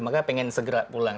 maka pengen segera pulang